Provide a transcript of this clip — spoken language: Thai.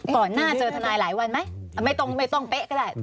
ก่อนหน้าเจอทนายหลายวันไหมไม่ต้องเป๊ะก็ได้